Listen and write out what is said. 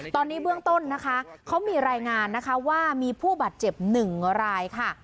ตอนนี้เบื้องต้นนะคะเขามีรายงานนะคะว่ามีผู้บาดเจ็บ๑รายค่ะ